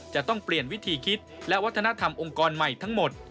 จะต้องเปลี่ยนวิธีคิดและวัฒนธรรมองค์กรใหม่ทั้งหมด